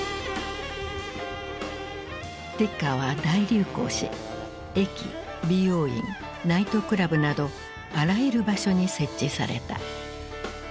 ティッカーは大流行し駅美容院ナイトクラブなどあらゆる場所に設置された。